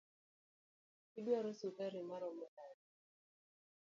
Iduaro sukari maromo nade?